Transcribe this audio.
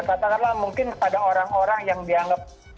katakanlah mungkin pada orang orang yang dianggap